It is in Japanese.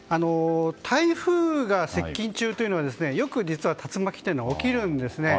台風が接近中というのはよく竜巻というのは起きるんです。